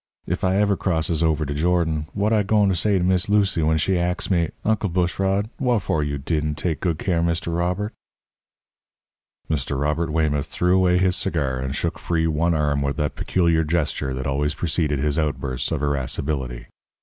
If I ever crosses over de Jordan, what I gwine to say to Miss Lucy when she ax me: 'Uncle Bushrod, wharfo' didn' you take good care of Mr. Robert?'" Mr. Robert Weymouth threw away his cigar and shook free one arm with that peculiar gesture that always preceded his outbursts of irascibility.